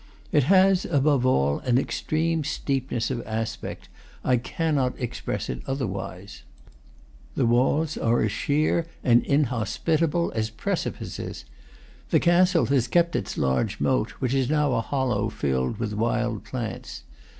It has, above all, an extreme steepness of aspect; I cannot express it otherwise. The walls are as sheer and inhospitable as precipices. The castle has kept its large moat, which is now a hollow filled with wild plants.